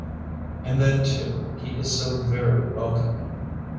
And then, too, he is so very welcoming.